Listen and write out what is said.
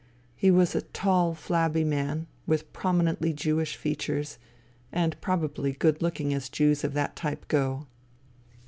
He was a tall, flabby man, with prominently Jewish features, and probably good looking as Jews of that type go.